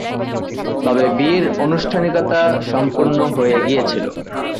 তবে বিয়ের আনুষ্ঠানিকতা সম্পূর্ণ হয়ে গিয়েছিল।